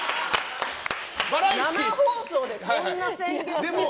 生放送でそんな宣言されても。